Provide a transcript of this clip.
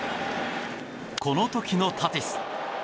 この時のタティス。